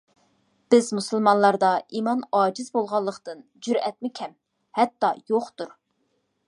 بىز مۇسۇلمانلاردا ئىمان ئاجىز بولغانلىقتىن، جۈرئەتمۇ كەم، ھەتتا يوقتۇر.